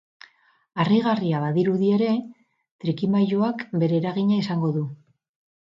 Harrigarria badirudi ere, trikimailuak bere eragina izango du.